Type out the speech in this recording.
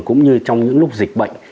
cũng như trong những lúc dịch bệnh